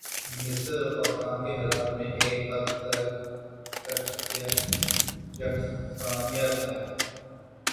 مصر اور پاکستان کے حالات میں ایک حد تک یکسانیت ہے۔